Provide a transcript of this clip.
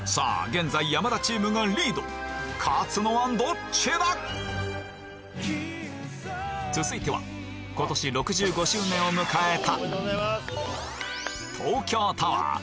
現在山田チームがリード勝つのはどっちだ⁉続いては今年６５周年を迎えた